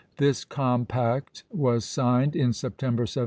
This compact was signed in September, 1743.